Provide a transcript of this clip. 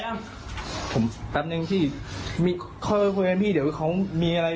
รวมแจ้งชอบตรางกายเฉพาะแจ้งเท่าไหร่